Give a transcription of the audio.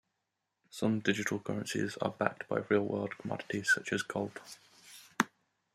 Some digital currencies are backed by real-world commodities such as gold.